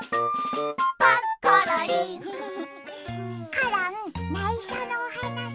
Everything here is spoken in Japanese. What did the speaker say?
コロンないしょのおはなし。